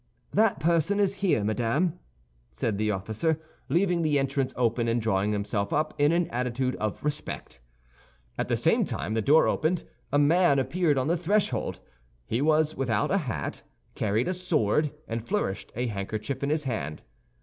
"That person is here, madame," said the officer, leaving the entrance open, and drawing himself up in an attitude of respect. At the same time the door opened; a man appeared on the threshold. He was without a hat, carried a sword, and flourished a handkerchief in his hand.